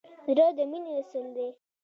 زړه د مینې اصل دی.